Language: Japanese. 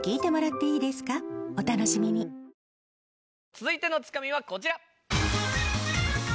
続いてのツカミはこちら。